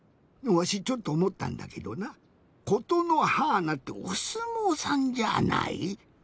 わしちょっとおもったんだけどな「ことのはーな」っておすもうさんじゃあない？